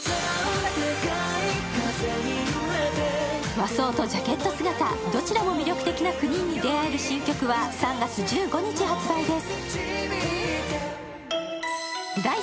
和装とジャケット姿、どちらも魅力的な９人に出会える新曲は３月１５日発売です。